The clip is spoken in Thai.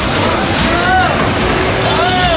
ต้องกลับมาด้วย